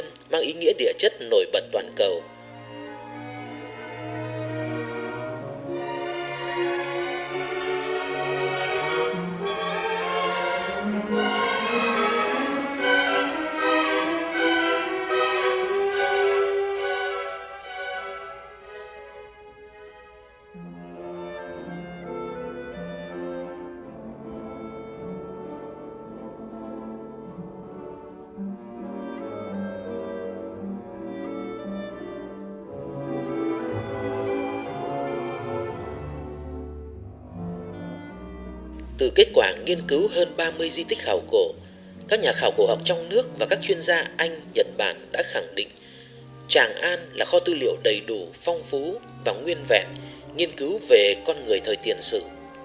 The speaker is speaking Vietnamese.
những công trình nghiên cứu hơn ba mươi di tích khảo cổ các nhà khảo cổ ở trong nước và các chuyên gia anh nhật bản đã khẳng định tràng an là kho tư liệu đầy đủ phong phú và nguyên vẹn nghiên cứu về con người thời tiền sự